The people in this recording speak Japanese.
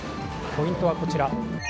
ポイントはこちら。